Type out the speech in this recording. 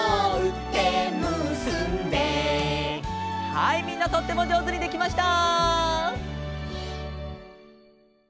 はいみんなとってもじょうずにできました！